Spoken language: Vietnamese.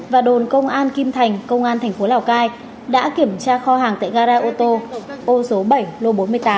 và đồn công an kim thành công an thành phố lào cai đã kiểm tra kho hàng tại gara ô tô ô số bảy lô bốn mươi tám